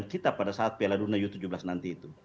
kita pada saat piala dunia u tujuh belas nanti itu